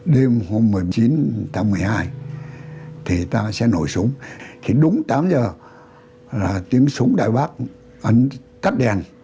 đêm hôm một mươi chín tháng một mươi hai thì ta sẽ nổi súng thì đúng tám giờ là tiếng súng đài bắc cắt đèn